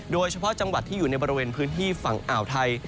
โดยเฉพาะจังหวัดที่อยู่ในบริเวณพื้นที่ฝั่งอ่าวไทย